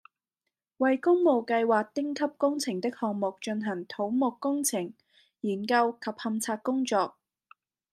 為工務計劃丁級工程的項目進行土木工程、研究及勘測工作